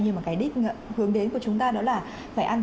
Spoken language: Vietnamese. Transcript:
nhưng mà cái đích hướng đến của chúng ta đó là phải ăn